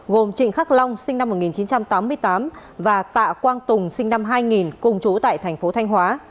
gồm trịnh khắc long sinh năm một nghìn chín trăm tám mươi tám và tạ quang tùng sinh năm hai nghìn cùng chú tại thành phố thanh hóa